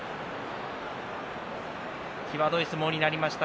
際どい相撲になりました。